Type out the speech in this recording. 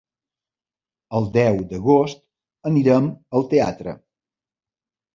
El deu d'agost anirem al teatre.